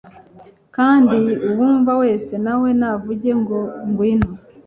Kandi uwumva wese na we navuge ngo : "ngwino!